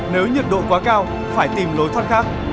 nếu nhiệt độ quá cao phải tìm lối thoát khác